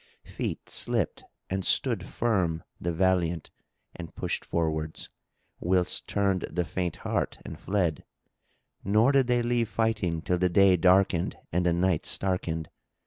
Feet slipped and stood firm the valiant and pushed forwards, whilst turned the faint heart and fled, nor did they leave fighting till the day darkened and the night starkened.